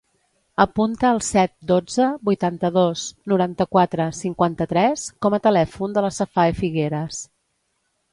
Apunta el set, dotze, vuitanta-dos, noranta-quatre, cinquanta-tres com a telèfon de la Safae Figueras.